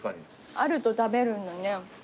あると食べるんだね。